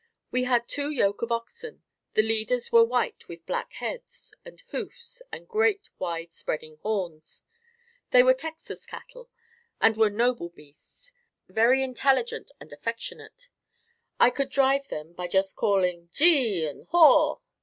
We had two yoke of oxen; the leaders were white with black heads and hoofs and great, wide spreading horns. They were Texas cattle and were noble beasts, very intelligent and affectionate. I could drive them by just calling "Gee and Haw".